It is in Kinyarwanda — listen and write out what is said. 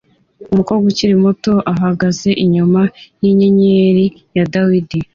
umukobwa ukiri muto uhagaze inyuma yinyenyeri ya Dawidi